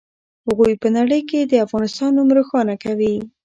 هغوی په نړۍ کې د افغانستان نوم روښانه کوي.